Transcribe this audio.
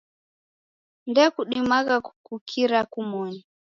Ndekudimagha kukukira kumoni.